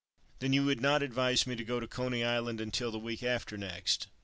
"Then you would not advise me to go to Coney Island until the week after next?"